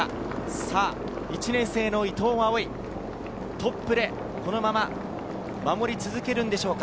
さぁ１年生の伊藤蒼唯、トップでこのまま守り続けるんでしょうか。